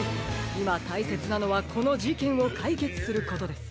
いまたいせつなのはこのじけんをかいけつすることです。